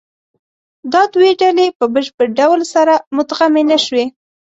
دا دوې ډلې په بشپړ ډول سره مدغمې نهشوې.